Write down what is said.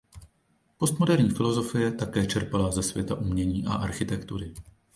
Postmoderní filosofie také čerpala ze světa umění a architektury.